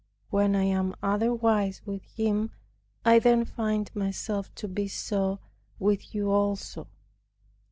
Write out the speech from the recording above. When I am otherwise with Him, I then find myself to be so with you also."